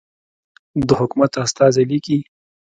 د حکومت استازی لیکي.